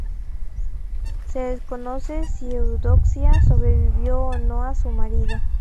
Se desconoce si Eudoxia sobrevivió o no a su marido.